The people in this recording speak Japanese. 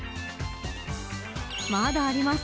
まだあります。